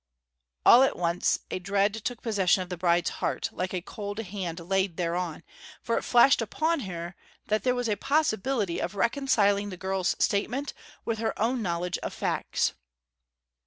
All at once a dread took possession of the bride's heart, like a cold hand laid thereon; for it flashed upon her that there was a possibility of reconciling the girl's statement with her own knowledge of facts.